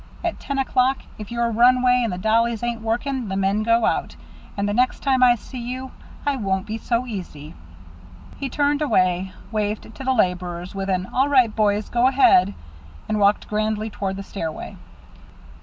At ten o'clock, if your runway and the dollies ain't working, the men go out. And the next time I see you, I won't be so easy." He turned away, waved to the laborers, with an, "All right, boys; go ahead," and walked grandly toward the stairway.